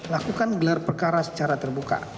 lakukan gelar perkara secara terbuka